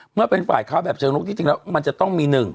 เมื่อเป็นฝ่ายค้าแบบเชิงลุกที่จริงแล้วมันจะต้องมี๑